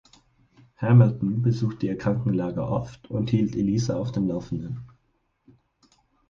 Hamilton besuchte ihr Krankenlager oft und hielt Eliza auf dem Laufenden.